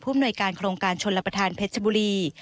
ผู้เนยการโครงการชนลับประทานแผ็ดชบุรี